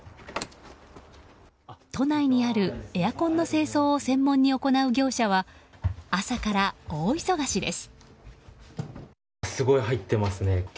都内にある、エアコンの清掃を専門に行う業者は朝から大忙しです。